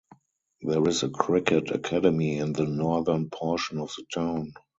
There is a cricket academy in the northern portion of the town.